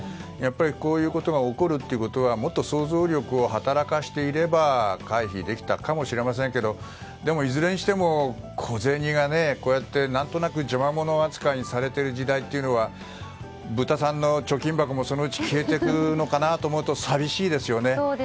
やっぱりこういうことが起こるっていうことはもっと想像力を働かせていれば回避できたかもしれませんがでも、いずれにしても小銭が何となく邪魔者扱いにされている時代というのは豚さんの貯金箱もそのうち消えていくのかと思うと寂しいですよね。